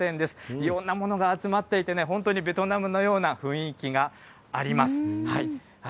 いろんなものが集まっていてね、本当にベトナムのような雰囲気があります。